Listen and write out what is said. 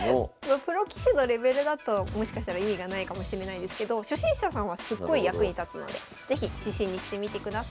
プロ棋士のレベルだともしかしたら意味がないかもしれないですけど初心者さんはすっごい役に立つので是非指針にしてみてください。